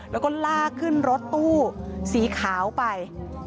แล้วก็ลากขึ้นรถตู้สีขาวไป